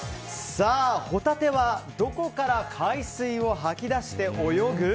ホタテはどこから海水を吐き出して泳ぐ？